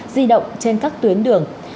di động trên các tuyến đường